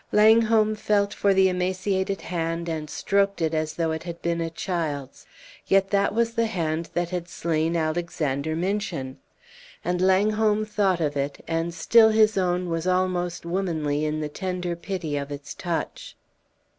Langholm felt for the emaciated hand, and stroked it as though it had been a child's. Yet that was the hand that had slain Alexander Minchin! And Langholm thought of it; and still his own was almost womanly in the tender pity of its touch.